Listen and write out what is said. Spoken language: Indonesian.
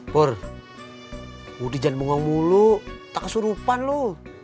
pur mau dijanjikan mulu tak kesurupan lu